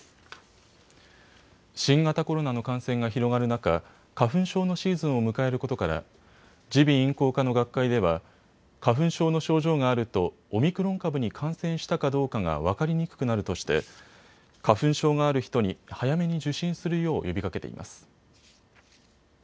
新型コロナの感染が広がる中、花粉症のシーズンを迎えることから耳鼻咽喉科の学会では花粉症の症状があるとオミクロン株に感染したかどうかが分かりにくくなるとして花粉症がある人に早めに受診するよう呼びかけています。